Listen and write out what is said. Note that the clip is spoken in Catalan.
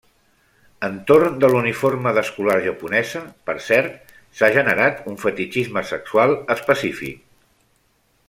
Entorn de l'uniforme d'escolar japonesa, per cert, s'ha generat un fetitxisme sexual específic.